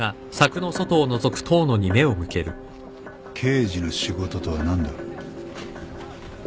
刑事の仕事とは何だ？